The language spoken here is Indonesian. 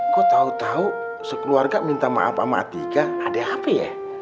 kok tau tau sekeluarga minta maaf sama tika ada apa ya